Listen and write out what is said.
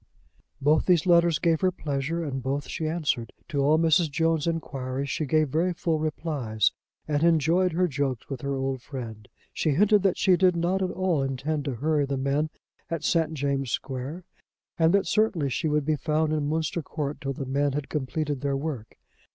Both those letters gave her pleasure, and both she answered. To all Mrs. Jones' enquiries she gave very full replies, and enjoyed her jokes with her old friend. She hinted that she did not at all intend to hurry the men at St. James' Square, and that certainly she would be found in Munster Court till the men had completed their work.